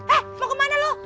eh mau kemana lu